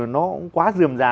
nó quá dườm dà